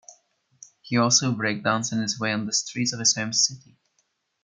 He also breakdanced his way on the streets of his home city.